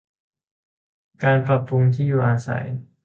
การปรับปรุงที่อยู่อาศัย